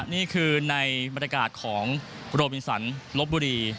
นี่คือในบรรยากาศของโรบินสันลบบุรี